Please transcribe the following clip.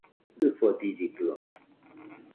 ɨfodiridɨo